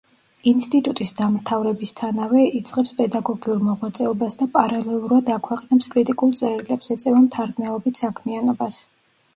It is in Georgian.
ინსტიტუტის დამთავრებისთანავე იწყებს პედაგოგიურ მოღვაწეობას და პარალელურად აქვეყნებს კრიტიკულ წერილებს, ეწევა მთარგმნელობით საქმიანობას.